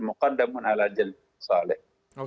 mukaddamun ala jal salih